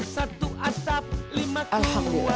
satu asap lima keluarga